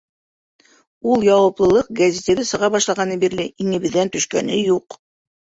Ул яуаплылыҡ гәзитебеҙ сыға башлағаны бирле иңебеҙҙән төшкәне юҡ.